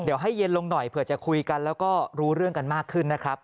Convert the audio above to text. เดี๋ยวให้เย็นลงหน่อยเผื่อจะคุยกันแล้วก็รู้เรื่องกันมากขึ้นนะครับ